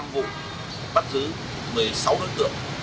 năm vụ bắt giữ một mươi sáu đối tượng